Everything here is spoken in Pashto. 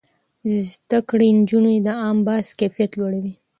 زده کړې نجونې د عامه بحث کيفيت لوړوي.